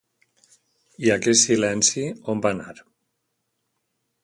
I aquest silenci on va anar?